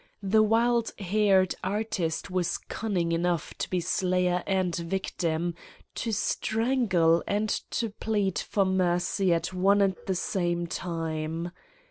. the wild haired artist was cunning enough to be slayer and victim, to strangle and to plead for mercy at one and the same time!